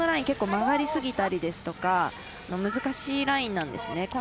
結構、曲がりすぎたりですとか難しいラインなんですね。